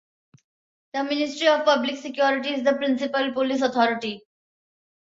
The Ministry of Public Security is the principal police authority.